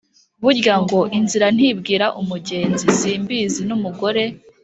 Burya ngo “ inzira ntibwira umugenzi”. Simbizi n’umugore